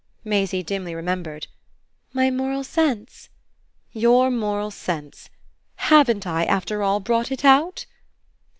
Maisie dimly remembered. "My moral sense?" "Your moral sense. HAVEN'T I, after all, brought it out?"